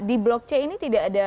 di blok c ini tidak ada